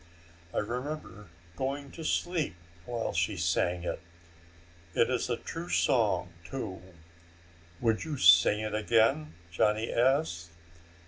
I remember going to sleep while she sang it. It is a true song, too." "Would you sing it again?" Johnny asked.